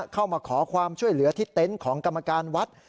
เข้ามาขอความช่วยเหลือที่เต็นต์ของกรรมการวัด